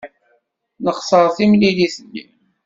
Nexṣer timlilit-nni.